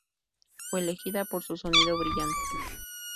Fue elegida por su "sonido brillante".